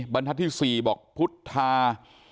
บรรทัศน์ที่๔บอกพุทธา